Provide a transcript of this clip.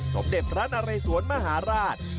สมเด็จร้านอไรสวนมหาราช